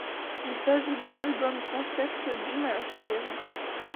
Il s'agit d'un album-concept d'une heure environ.